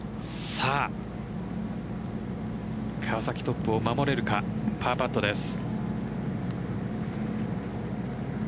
川崎、トップを守れるかパーパットです。